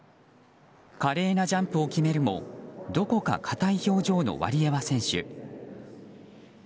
華麗なジャンプを決めるもどこか硬い表情のワリエワ選手。